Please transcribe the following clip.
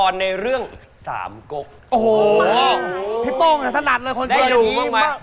เรื่องสามกกโอ้โหพี่โป้งสนัดเลยคนนี้ได้อยู่หรือไม่